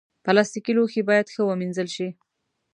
پلاستيکي لوښي باید ښه ومینځل شي.